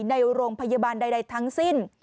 ในโรงพยาบาลใดทั้งสิ้น